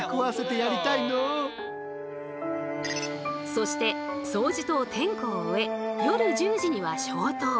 そして掃除と点呼を終え夜１０時には消灯。